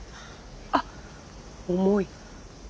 あっ重い。